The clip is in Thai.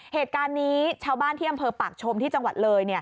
เหตุการณ์นี้ชาวบ้านที่อำเภอปากชมที่จังหวัดเลย